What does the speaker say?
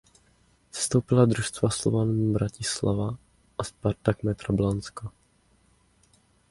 Sestoupila družstva Slovan Bratislava a Spartak Metra Blansko.